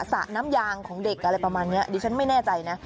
สระน้ำยางของเด็กอะไรประมาณนี้ดิฉันไม่แน่ใจนะ